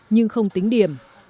nhưng không tính điểm